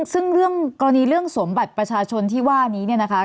ซึ่งเรื่องกรณีเรื่องสมบัติประชาชนที่ว่านี้เนี่ยนะคะ